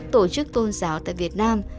tổ chức tôn giáo tại việt nam